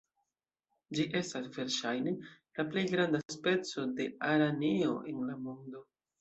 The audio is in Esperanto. Ĝi estas verŝajne la plej granda speco de araneo en la mondo.